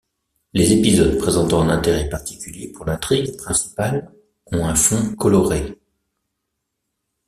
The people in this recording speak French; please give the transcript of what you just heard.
Les épisodes présentant un intérêt particulier pour l'intrigue principale ont un fond coloré.